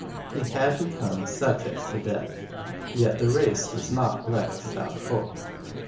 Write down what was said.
He had become subject to death. Yet the race was not left without hope.